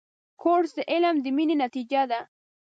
کورس د علم د مینې نتیجه ده.